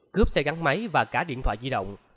cướp xe gắn máy và cả điện thoại di động